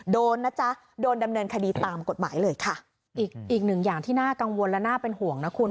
โดนนะจ๊ะโดนดำเนินคดีตามกฎหมายเลยค่ะอีกอีกหนึ่งอย่างที่น่ากังวลและน่าเป็นห่วงนะคุณ